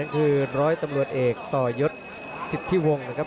คืนร้อยตำรวจเอกตะยจสิตพิภงนะครับ